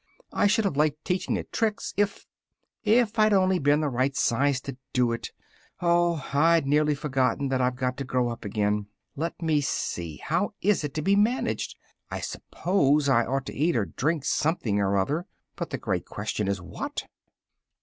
"I should have liked teaching it tricks, if if I'd only been the right size to do it! Oh! I'd nearly forgotten that I've got to grow up again! Let me see; how is it to be managed? I suppose I ought to eat or drink something or other, but the great question is what?"